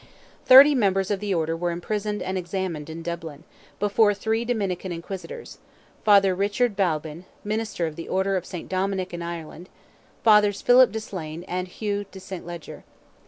Thirty members of the order were imprisoned and examined in Dublin, before three Dominican inquisitors—Father Richard Balbyn, Minister of the Order of St. Dominick in Ireland, Fathers Philip de Slane and Hugh de St. Leger.